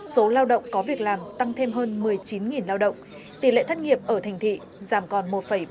số lao động có việc làm tăng thêm hơn một mươi chín lao động tỷ lệ thất nghiệp ở thành thị giảm còn một ba mươi